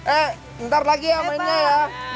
eh ntar lagi ya mainnya ya